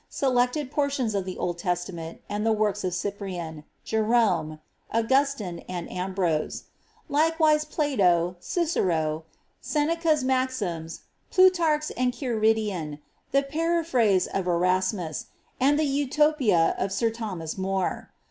selected portions of the Old Testament, and the works of Cypriui. Jerome, Augustine, and Ambrose; likewise Plato, Cicero, SeofCi'S MaximB. Plutarch^s Enchiridion, the Paraphrase of Erasmus, and die ^ Utopia'^ of sir Thomas More.